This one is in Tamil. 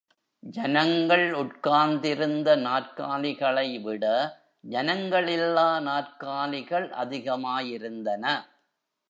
ஜனங்கள் உட்கார்ந்திருந்த நாற்காலிகளைவிட ஜனங்களில்லா நாற்காலிகள் அதிகமாயிருந்தன.